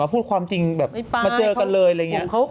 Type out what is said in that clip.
พูดความจริงแบบมาเจอกันเลยอะไรอย่างนี้